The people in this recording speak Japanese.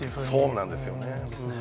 そうなんですよね。